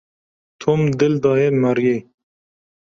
Tom dil daye Maryê.